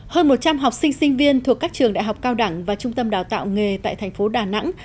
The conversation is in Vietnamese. hơn một trăm linh học sinh sinh viên thuộc các trường đại học cao đẳng và trung tâm đào tạo nghề tại thành phố đà nẵng